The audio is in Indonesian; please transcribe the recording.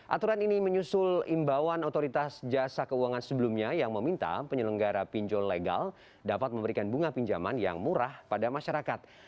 aturan ini menyusul imbauan otoritas jasa keuangan sebelumnya yang meminta penyelenggara pinjol legal dapat memberikan bunga pinjaman yang murah pada masyarakat